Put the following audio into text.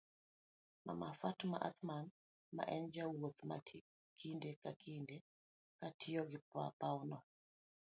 mama Fatma Athman ma en jawuoth ma kinde ka kinde katiyogi pawno